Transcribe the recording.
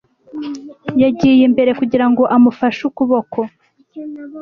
Yagiye imbere kugira ngo amufashe ukuboko.